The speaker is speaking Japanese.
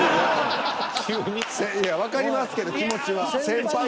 いやわかりますけど気持ちは。